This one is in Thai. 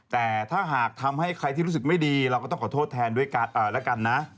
แต่ถ้าหากทำให้ใครที่รู้สึกไม่ดีเราก็ต้องขอโทษแทนด้วยแล้วกันนะ